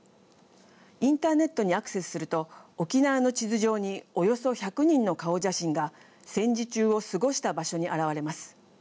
インターネットにアクセスすると沖縄の地図上におよそ１００人の顔写真が戦時中を過ごした場所に現れます。